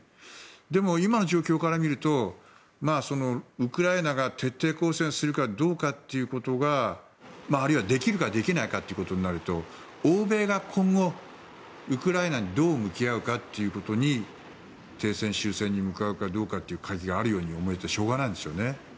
でも今の状況からみるとウクライナが徹底抗戦するかどうかということあるいは、できるかできないかということになると欧米が今後、ウクライナにどう向き合うかということに停戦、終戦に向かうかどうかの鍵があるように思えてしょうがないんですよね。